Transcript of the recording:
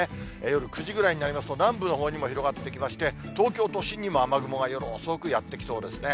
夜９時ぐらいになりますと、南部のほうにも広がってきまして、東京都心にも雨雲が夜遅く、やって来そうですね。